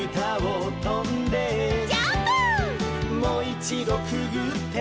「もういちどくぐって」